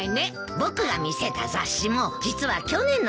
僕が見せた雑誌も実は去年のなんだ。